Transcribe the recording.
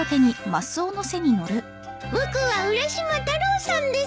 僕は浦島太郎さんです。